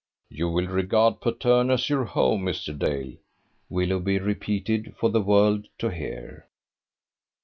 "You will regard Patterne as your home, Mr. Dale," Willoughby repeated for the world to hear.